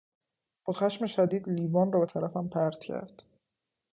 با خشم شدید لیوان را به طرفم پرت کرد.